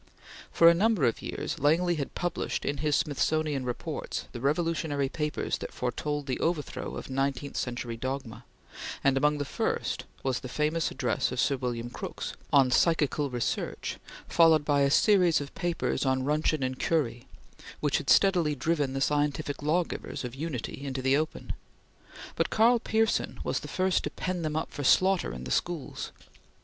For a number of years Langley had published in his Smithsonian Reports the revolutionary papers that foretold the overthrow of nineteenth century dogma, and among the first was the famous address of Sir William Crookes on psychical research, followed by a series of papers on Roentgen and Curie, which had steadily driven the scientific lawgivers of Unity into the open; but Karl Pearson was the first to pen them up for slaughter in the schools.